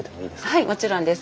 はいもちろんです。